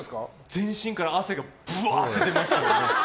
全身から汗がぶわって出ましたけどね。